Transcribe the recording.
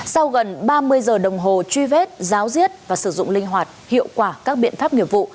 sau gần ba mươi giờ đồng hồ truy vết giáo diết và sử dụng linh hoạt hiệu quả các biện pháp nghiệp vụ